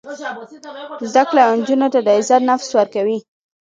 زده کړه نجونو ته د عزت نفس ورکوي.